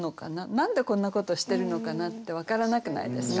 何でこんなことしてるのかなって分からなくないですか？